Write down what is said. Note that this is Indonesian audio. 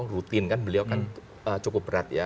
rutin kan beliau cukup berat